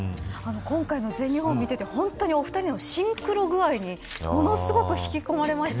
今回の全日本を見ていて本当にお二人のシンクロ具合にものすごく引き込まれました。